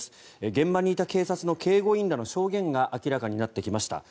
現場にいた警察の警護員らの証言が明らかになってきました。